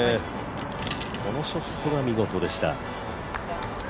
このショットは見事でした。